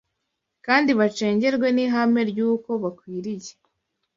kandi bacengerwe n’ihame ry’uko bakwiriye